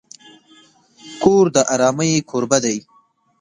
کور د آرامۍ کوربه دی.